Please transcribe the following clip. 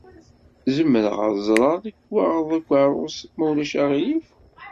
Zemreɣ ad ẓreɣ lekwaɣeḍ ukeṛṛus ma ulac aɣilif?